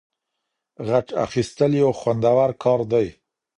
غچ اخیستل یو خوندور کار دی.